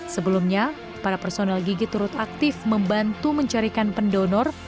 sebelumnya para personel gigi turut aktif membantu mencarikan pendonor